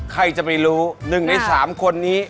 ใครจะไปรู้๑ใน๓คนนี้